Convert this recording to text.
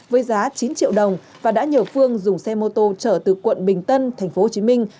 với giá chín triệu đồng và đã nhờ phương dùng xe mô tô trở từ quận bình tân thành phố hồ chí minh